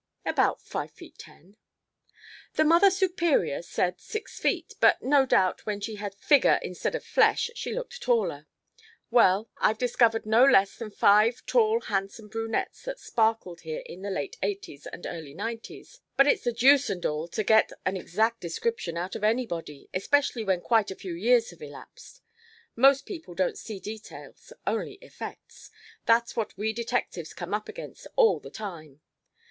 "About five feet ten." "The Mother Superior said six feet, but no doubt when she had figger instead of flesh she looked taller. Well, I've discovered no less than five tall handsome brunettes that sparkled here in the late Eighties and early Nineties, but it's the deuce and all to get an exact description out of anybody, especially when quite a few years have elapsed. Most people don't see details, only effects. That's what we detectives come up against all the time.